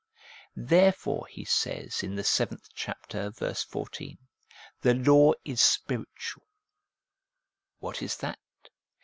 Therefore he says in the seventh chapter, verse 14, 1 The law is spiritual.' What is that